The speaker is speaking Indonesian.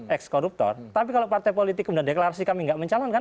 ex koruptor tapi kalau partai politik mendeklarasi kami tidak mencalonkan